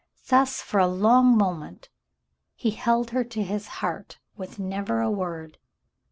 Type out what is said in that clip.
Thus for a long moment he held her to his heart with never a word.